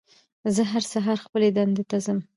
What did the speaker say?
زه هر سهار خپلې دندې ته ځم